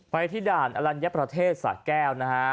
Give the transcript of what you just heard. ไปที่ด่านอลัญญประเทศสะแก้วนะฮะ